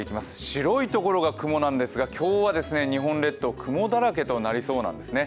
白いところが雲なんですが、今日は日本列島、雲だらけとなりそうなんです。